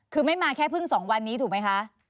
คือไม่มาแค่เพิ่ง๒วันนี้ถูกไหมคะ